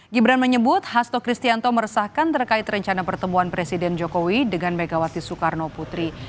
gibran menyebut hasto kristianto meresahkan terkait rencana pertemuan presiden jokowi dengan megawati soekarno putri